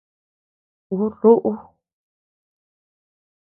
Ú rúʼu.